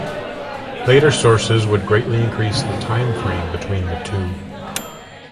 Later sources would greatly increase the time frame between the two.